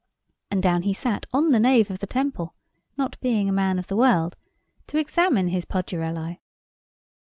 And down he sat on the nave of the temple (not being a man of the world) to examine his Podurellæ.